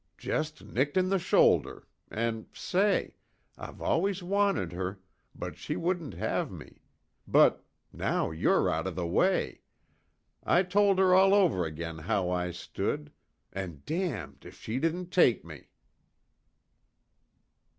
"Jest nicked in the shoulder an' say I've always wanted her but she wouldn't have me but now you're out of the way I told her all over again how I stood an' damned if she didn't take me!"